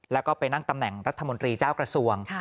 แล้วก็ไปนั่งตำแหน่งรัฐมนตรีเจ้ากระทรวง